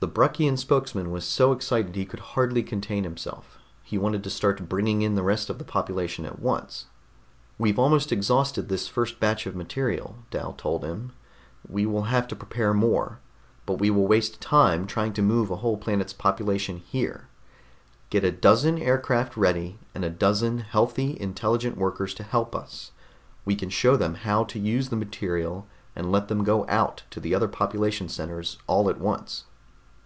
The Bruckian spokesman was so excited he could hardly contain himself; he wanted to start bringing in the rest of the population at once. "We've almost exhausted this first batch of the material," Dal told him. "We will have to prepare more but we will waste time trying to move a whole planet's population here. Get a dozen aircraft ready, and a dozen healthy, intelligent workers to help us. We can show them how to use the material, and let them go out to the other population centers all at once."